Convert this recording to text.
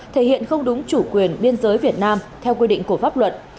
thể hiện không đúng chủ quyền biên giới việt nam theo quy định của pháp luật